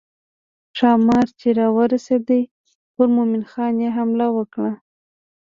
ښامار چې راورسېد پر مومن خان یې حمله وکړه.